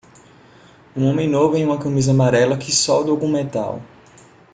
Um homem novo em uma camisa amarela que solda algum metal.